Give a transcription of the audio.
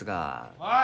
おい！